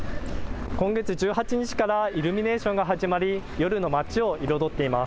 今月１８日からイルミネーションが始まり、夜の街を彩っています。